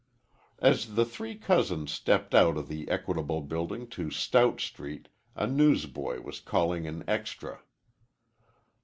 As the three cousins stepped out of the Equitable Building to Stout Street a newsboy was calling an extra.